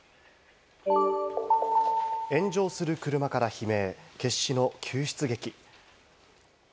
炎上する車から悲鳴、決死の救出劇。